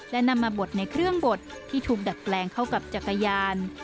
และนำมาบดในเครื่องบดที่ถูกดัดแปลงเข้ากับจักรยาน